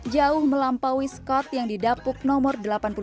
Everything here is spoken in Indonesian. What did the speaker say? jauh melampaui scott yang didapuk nomor delapan puluh dua